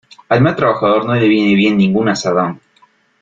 Al mal trabajador no le viene bien ningún azadón.